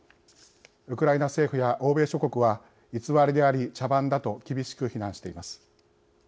ウクライナ政府や欧米諸国は偽りであり茶番だと厳しく非難しています。